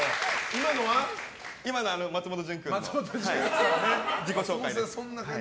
今のは松本潤君の自己紹介です。